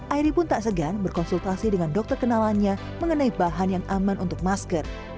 airi pun tak segan berkonsultasi dengan dokter kenalannya mengenai bahan yang aman untuk masker